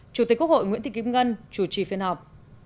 chủ tịch quốc hội nguyễn thị kim ngân chủ trì phiên họp